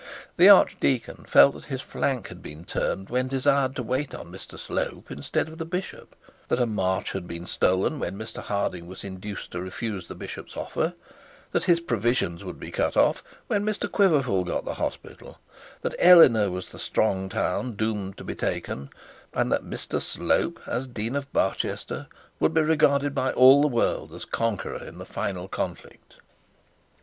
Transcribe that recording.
The archdeacon felt that his flank had been turned when desired to wait on Mr Slope instead of the bishop, that a march had been stolen when Mr Harding was induced to refuse the bishop's offer, that his provisions would be cut off when Mr Quiverful got the hospital, that Eleanor was the strong town doomed to be taken, and that Mr Slope, as Dean of Barchester, would be regarded by all the world as the conqueror in that final conflict.